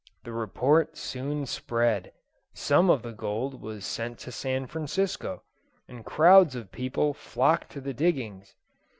"The report soon spread. Some of the gold was sent to San Francisco, and crowds of people flocked to the diggings.